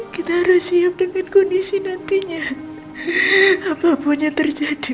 kita harus siap dengan kondisi nantinya apapun yang terjadi